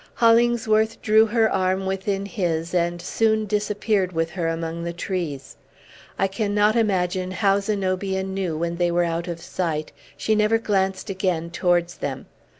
Hollingsworth drew her arm within his, and soon disappeared with her among the trees. I cannot imagine how Zenobia knew when they were out of sight; she never glanced again towards them.